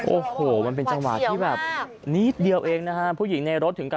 โอ้โหมันเป็นจังหวัดที่แบบนิดเดียวเองนะฮะ